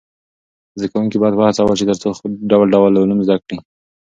زده کوونکي باید و هڅول سي تر څو ډول ډول علوم زده کړي.